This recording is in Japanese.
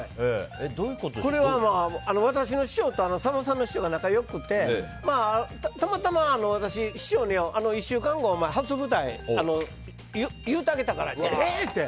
これは私の師匠とさんまさんの師匠が仲が良くてたまたま、私、師匠に１週間後初舞台、言うたげたからって。